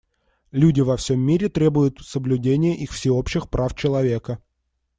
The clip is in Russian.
Люди во всем мире требуют соблюдения их всеобщих прав человека.